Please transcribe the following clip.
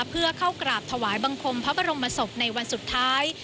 เพื่อเข้ากราบถวายบังคมพระบรมศพในวันสุดท้าย